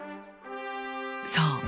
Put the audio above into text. そう！